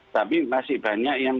tapi masih banyak yang